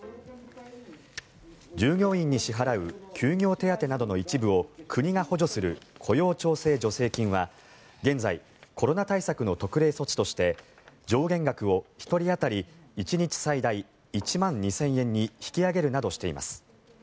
従業員に支払う休業手当などの一部を国が補助する雇用調整助成金は現在コロナ対策の特例措置として上限額を１人当たり１日最大１万２０００円に引き上げるなどしています。